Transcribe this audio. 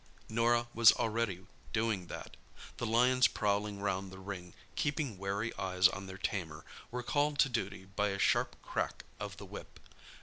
Norah was already doing that. The lions prowling round the ring, keeping wary eyes on their tamer, were called to duty by a sharp crack of the whip.